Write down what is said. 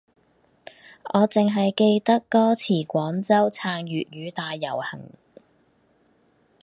我淨係記得歌詞廣州撐粵語大遊行